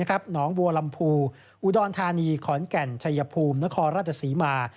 หนองบัวลำพูอุดรธานีขอนแก่นชัยภูมินครราชศรีมา